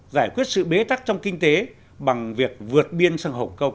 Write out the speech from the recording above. giải quyết sự bế tắc trong kinh tế bằng việc vượt biên sang hồng kông